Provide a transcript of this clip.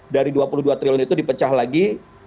dari dua puluh dua triliun itu dipecah lagi